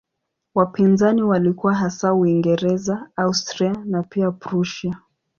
Wapinzani walikuwa hasa Uingereza, Austria na pia Prussia.